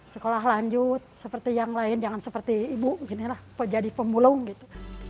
sekolah lanjut seperti yang lain jangan seperti ibu ginilah jadi pemulung gitu